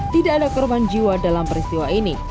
tidak ada korban jiwa dalam peristiwa ini